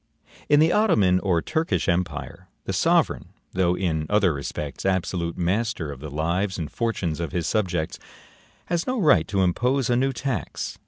In the Ottoman or Turkish empire, the sovereign, though in other respects absolute master of the lives and fortunes of his subjects, has no right to impose a new tax.